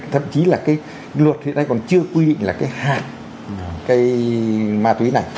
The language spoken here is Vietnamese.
thậm chí là cái luật hiện nay còn chưa quy định là cái hạt cây ma túy này